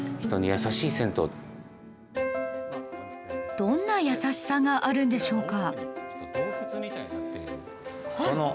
どんなやさしさがあるんでしょうか？